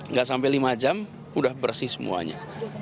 nggak sampai lima jam udah bersih semuanya